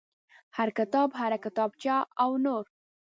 هر کتاب هر کتابچه او نور.